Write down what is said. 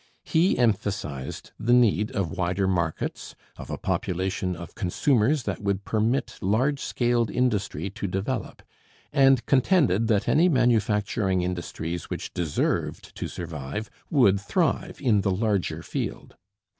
He emphasized the need of wider markets, of a population of consumers that would permit large scaled industry to develop, and contended that any manufacturing industries which deserved to survive would thrive in the larger field.